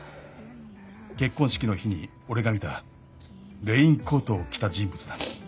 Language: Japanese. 「結婚式の日に俺が見たレインコートを着た人物だ」